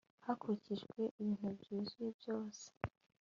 hakurikijwe ibintu byuzuye byose